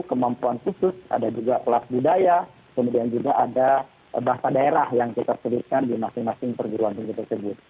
kemampuan khusus ada juga kelas budaya kemudian juga ada bahasa daerah yang kita sebutkan di masing masing perguruan tinggi tersebut